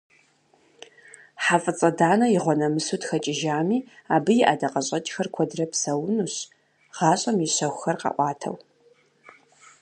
ХьэфӀыцӀэ Данэ игъуэнэмысу тхэкӀыжами, абы и ӀэдакъэщӀэкӀхэр куэдрэ псэунущ гъащӀэм и щэхухэр къаӀуатэу.